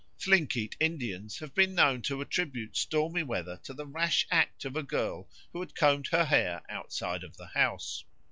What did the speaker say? Thlinkeet Indians have been known to attribute stormy weather to the rash act of a girl who had combed her hair outside of the house.